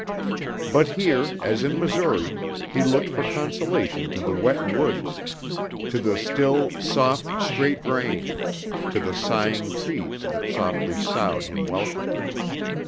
But here, as in Missouri, he looked for consolation to the wet woods, to the still, soft, straight rain, to the sighing trees that softly soughed him welcome.